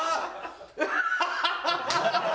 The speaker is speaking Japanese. ハハハハ！